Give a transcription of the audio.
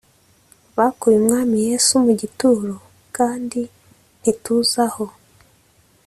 bakuye umwami yesu mu gituro kandi ntituzi aho